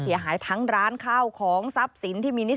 เสียหายทั้งร้านข้าวของทรัพย์สินที่มีนิส